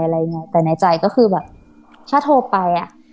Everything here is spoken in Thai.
อะไรอย่างเงี้ยแต่ในใจก็คือแบบถ้าโทรไปอ่ะ